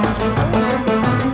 aku akan menangkapmu